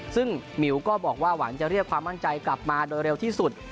ซึ่งหมิวก็บอกว่าหวังจะเรียกความมั่นใจกลับมาโดยเร็วที่สุด